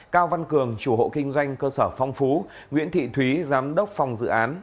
cao văn cường chủ hộ kinh doanh cơ sở phong phú nguyễn thị thúy giám đốc phòng dự án